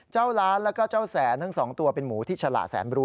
เจ้าล้านและเจ้าแสนทั้ง๒ตัวเป็นหมูที่ชะลาแสนรู้